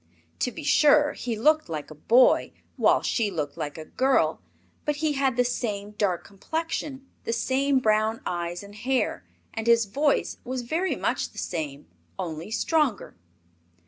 To be sure, he looked like a boy, while she looked like a girl, but he had the same dark complexion, the same brown eyes and hair, and his voice was very much the same, only stronger.